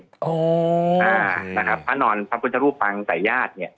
ที่มีการพระพุทธรูปฟังใส่ญาติ